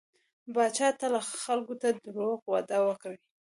پاچا تل خلکو ته دروغ وعده ورکوي .